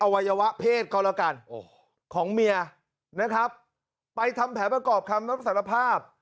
วัยวะเพศก็แล้วกันของเมียนะครับไปทำแผนประกอบคำรับสารภาพ